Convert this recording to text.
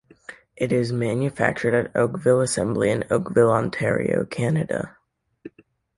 It is manufactured at Oakville Assembly in Oakville, Ontario, Canada.